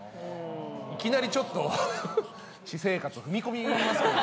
いきなりちょっと私生活に踏み込みますね。